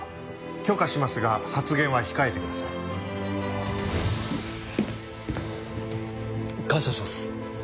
許可しますが発言は控えてください。感謝します。